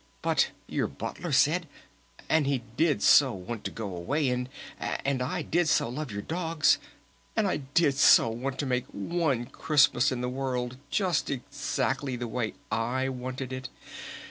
But your Butler said...! And he did so want to go away and And I did so love your dogs! And I did so want to make one Christmas in the world just exactly the way I wanted it!